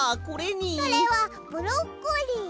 それはブロッコリー。